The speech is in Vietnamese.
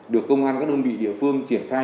được công an các đơn vị địa phương triển khai